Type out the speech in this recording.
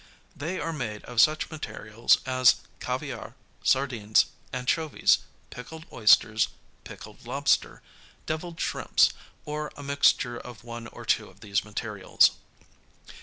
They are made of such materials as caviar, sardines, anchovies, pickled oysters, pickled lobster, deviled shrimps, or a mixture of one or two of these materials.